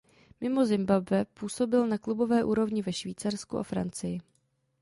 Mimo Zimbabwe působil na klubové úrovni ve Švýcarsku a Francii.